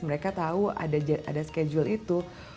mereka tahu ada schedule itu